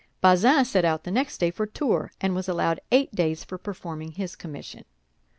Bazin set out the next day for Tours, and was allowed eight days for performing his commission.